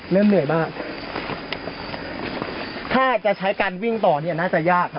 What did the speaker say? เริ่มเหนื่อยมากถ้าจะใช้การวิ่งต่อนี่น่าจะยากครับ